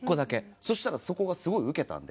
そしたらそこがすごいウケたんで。